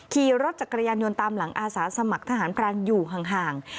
ขี่รถจักรยานยนต์ตามหลังอาสาสมัครทหารพรานอยู่ห่าง